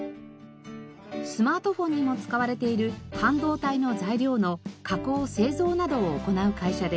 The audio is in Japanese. スマートフォンにも使われている半導体の材料の加工製造などを行う会社です。